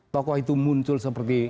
tokoh itu muncul seperti